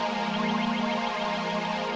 sahur sahur sahur